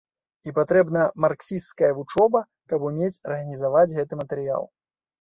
І патрэбна марксісцкая вучоба, каб умець арганізаваць гэты матэрыял.